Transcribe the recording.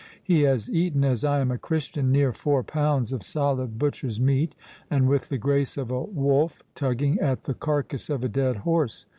—He has eaten, as I am a Christian, near four pounds of solid butcher's meat, and with the grace of a wolf tugging at the carcass of a dead horse.